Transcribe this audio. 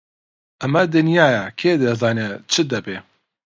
ئەمە دنیایە، کێ دەزانێ چ دەبێ!